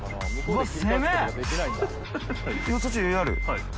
はい。